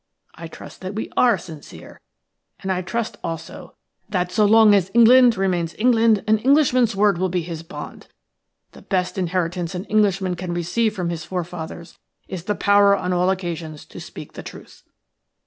I trust that we are sincere, and I trust also that, so long as England remains England, an Englishman's word will be his bond. The best inheritance an Englishman can receive from his forefathers is the power on all occasions to speak the truth.